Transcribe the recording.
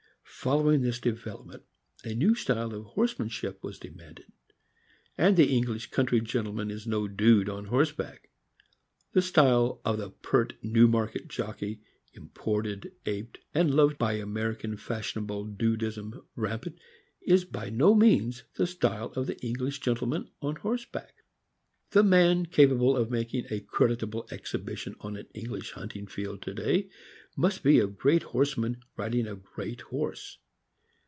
Following this development, a new style of horsemanship was de manded; and the English country gentleman is no dude on horseback. The style of the pert Newmarket jockey, imported, aped, and loved by American fashionable dudism rampant, is by no means the style of the English gentle man on horseback. The man capable of making a creditable exhibition on an English hunting field to day must be a great horseman, riding a great horse.